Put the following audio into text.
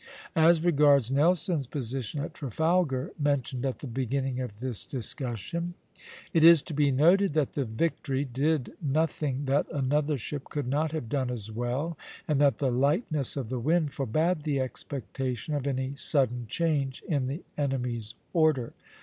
As regards Nelson's position at Trafalgar, mentioned at the beginning of this discussion, it is to be noted that the "Victory" did nothing that another ship could not have done as well, and that the lightness of the wind forbade the expectation of any sudden change in the enemy's order.